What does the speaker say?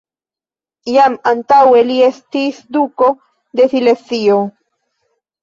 Jam antaŭe li estis duko de Silezio.